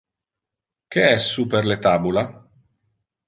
Que es super le tabula?